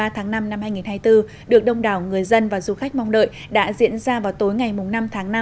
một mươi tháng năm năm hai nghìn hai mươi bốn được đông đảo người dân và du khách mong đợi đã diễn ra vào tối ngày năm tháng năm